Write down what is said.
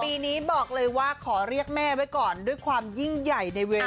ปีนี้บอกเลยว่าขอเรียกแม่ไว้ก่อนด้วยความยิ่งใหญ่ในเวลา